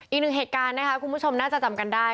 อีกหนึ่งเหตุการณ์นะคะคุณผู้ชมน่าจะจำกันได้